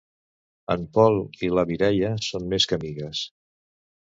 En Pol i la Mireia són més que amigues.